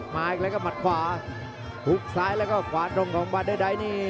มาอีกแล้วก็หมัดขวาหุบซ้ายแล้วก็ขวาตรงของบาเดอร์ไดท์นี่